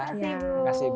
terima kasih bu